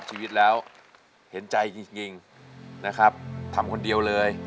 เปลี่ยนเพลงเพลงเก่งของคุณและข้ามผิดได้๑คำ